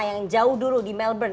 yang jauh dulu di melbourne